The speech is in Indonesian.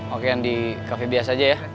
oke yang di cafe biasa aja ya